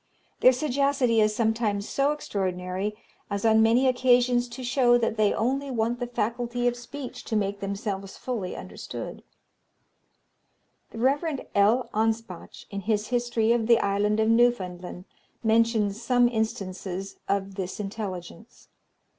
Their sagacity is sometimes so extraordinary, as on many occasions to show that they only want the faculty of speech to make themselves fully understood. The Rev. L. Anspach, in his history of the Island of Newfoundland, mentions some instances of this intelligence.